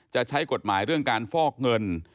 จะใช้กฎหมายการฝอกเงิน